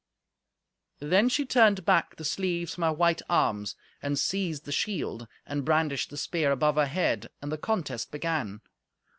Then she turned back the sleeves from her white arms, and seized the shield, and brandished the spear above her head, and the contest began.